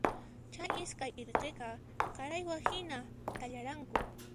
Chay iskay irqiqa qaraywa hina thallaranku.